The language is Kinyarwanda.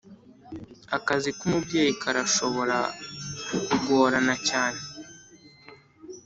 akazi k'umubyeyi karashobora kugorana cyane.